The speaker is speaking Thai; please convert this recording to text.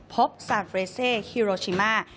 ซานเฟรเซฮิโรชิมา